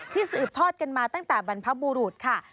สืบทอดกันมาตั้งแต่บรรพบุรุษค่ะ